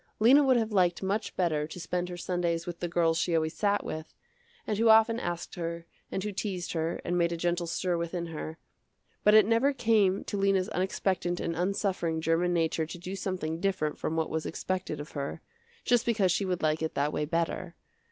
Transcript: Lena would have liked much better to spend her Sundays with the girls she always sat with, and who often asked her, and who teased her and made a gentle stir within her, but it never came to Lena's unexpectant and unsuffering german nature to do something different from what was expected of her, just because she would like it that way better.